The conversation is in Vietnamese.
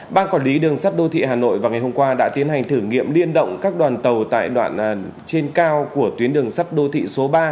ban quản lý đường sắt đô thị hà nội vào ngày hôm qua đã tiến hành thử nghiệm liên động các đoàn tàu tại đoạn trên cao của tuyến đường sắt đô thị số ba